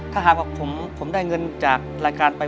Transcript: ถ้าหากว่าผมได้เงินจากรายการไป